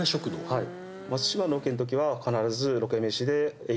はい。